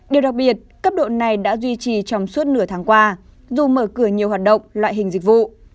điều đặc biệt cấp độ này đã duy trì trong suốt nửa tháng qua dù mở cửa nhiều hoạt động loại hình dịch vụ